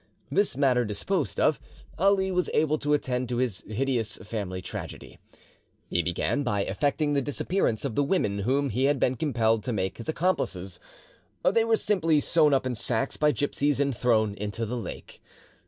This matter disposed of, Ali was able to attend to his hideous family tragedy. He began by effecting the disappearance of the women whom he had been compelled to make his accomplices; they were simply sewn up in sacks by gipsies and thrown into the lake.